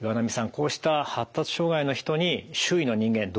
こうした発達障害の人に周囲の人間どう接したらいいんでしょう。